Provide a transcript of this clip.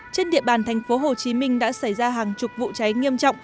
trên địa bàn thành phố hồ chí minh đã xảy ra hàng chục vụ cháy nghiêm trọng